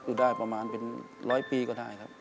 อยู่ได้ประมาณเป็นร้อยปีก็ได้ครับ